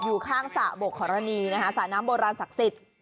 อยู่ข้างสระบกขอรณีนะคะสระน้ำโบราณศักดิ์สิทธิ์